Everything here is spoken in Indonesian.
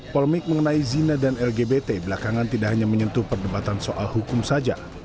polemik mengenai zina dan lgbt belakangan tidak hanya menyentuh perdebatan soal hukum saja